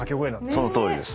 そのとおりです。